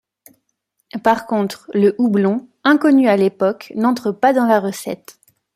Par contre, le houblon, inconnu à l'époque, n'entre pas dans la recette.